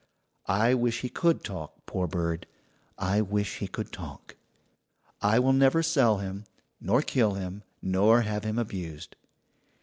I wish he could talk, poor bird! I wish he could talk. I will never sell him, nor kill him, nor have him abused.